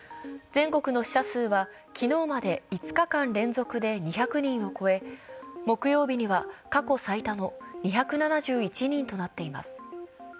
全国の死者数は昨日まで５日間連続で２００人を超え、木曜日には過去最多の２７１人となっています。